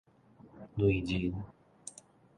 卵仁